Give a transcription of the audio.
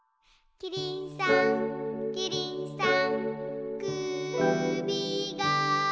「キリンさんキリンさん」